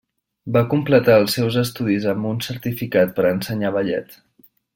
Va completar els seus estudis amb un certificat per ensenyar ballet.